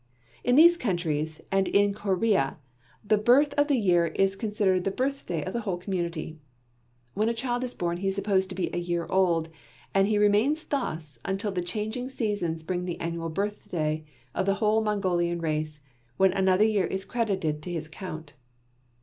In these countries and in Corea the birth of the year is considered the birthday of the whole community. When a child is born he is supposed to be a year old, and he remains thus until the changing seasons bring the annual birthday of the whole Mongolian race, when another year is credited to his account.